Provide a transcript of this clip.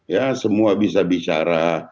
ya semua bisa bicara